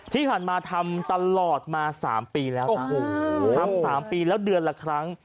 ที่ผ่านมาทำตลอดมา๓ปีแล้วนะทำ๓ปีแล้วเดือนละครั้ง